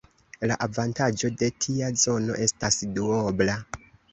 La avantaĝo de tia zono estas duobla.